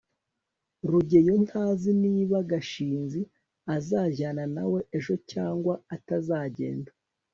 rugeyo ntazi niba gashinzi azajyana nawe ejo cyangwa atazagenda